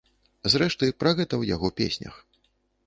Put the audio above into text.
Зрэшты, пра гэта ў яго песнях.